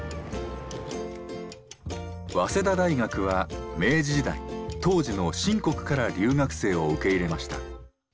早稲田大学は明治時代当時の清国から留学生を受け入れました。